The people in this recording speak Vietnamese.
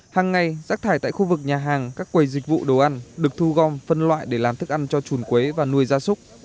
hàng ngày rác thải tại khu vực nhà hàng các quầy dịch vụ đồ ăn được thu gom phân loại để làm thức ăn cho chuồn quế và nuôi gia súc